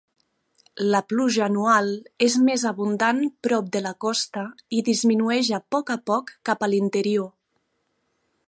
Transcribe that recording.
La pluja anual és més abundant prop de la costa i disminueix a poc a poc cap a l'interior.